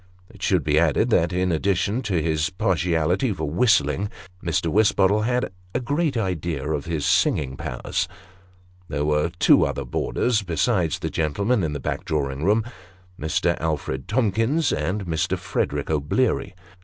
It should be added, that, in addition to his partiality for whistling, Mr. Wisbottle had a great idea of his singing powers. There were two other boarders, besides the gentleman in the back drawing room Mr. Alfred Tomkins and Mr. Frederick O'Bleary.